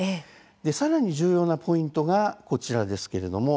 さらに重要なポイントがこちらです。